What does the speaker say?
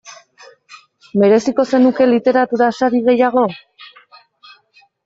Mereziko zenuke literatura sari gehiago?